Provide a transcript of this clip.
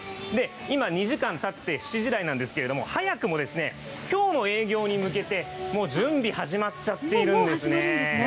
今、２時間たって７時台なんですけれども、早くも、きょうの営業に向けて、もう準備始まっちゃっているんでもう始まるんですね？